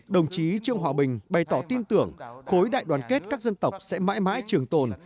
đồng chí trương hòa bình bày tỏ tin tưởng khối đại đoàn kết các dân tộc sẽ mãi mãi trường tồn